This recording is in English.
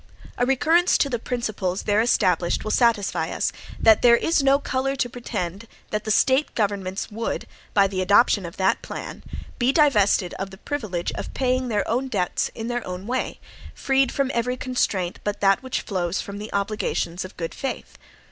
A recurrence to the principles there established will satisfy us, that there is no color to pretend that the State governments would, by the adoption of that plan, be divested of the privilege of paying their own debts in their own way, free from every constraint but that which flows from the obligations of good faith.